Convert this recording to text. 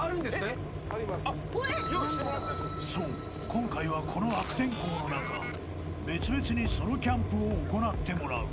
今回はこの悪天候の中別々にソロキャンプを行ってもらう］